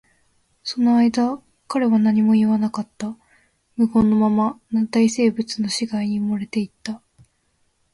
その間、彼は何も言わなかった。無言のまま、軟体生物の死骸に埋もれていった。